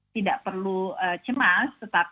tidak perlu cemas